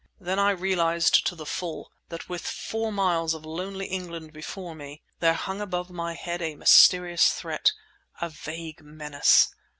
Then I realized to the full that with four miles of lonely England before me there hung above my head a mysterious threat—a vague menace.